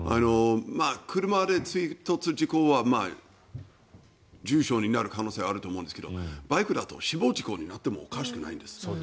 車で追突事故は重傷になる可能性はあると思いますがバイクだと死亡事故になってもおかしくないんです。